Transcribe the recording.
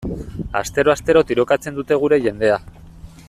Astero-astero tirokatzen dute gure jendea.